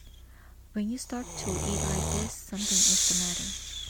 When you start to eat like this something is the matter.